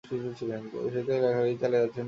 সেই থেকে লেখালেখি চালিয়ে যাচ্ছেন তিনি।